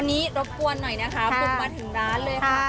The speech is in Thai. อันนี้รบกวนหน่อยนะคะบุกมาถึงร้านเลยค่ะ